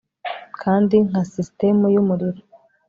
Kandi nka sisitemu yumuriro